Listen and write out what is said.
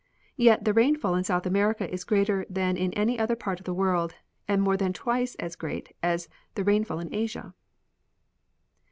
Yet the rainfall in South America is greater than in anj^ other part of the world, and more than twice as great as the rainfall in Asia.